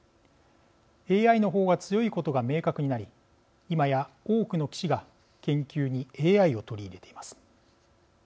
ＡＩの方が強いことが明確になり今や多くの棋士が研究にＡＩを取り入れています。